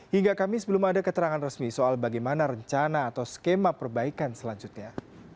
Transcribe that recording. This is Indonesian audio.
hingga kamis belum ada keterangan resmi soal bagaimana rencana atau skema perbaikan selanjutnya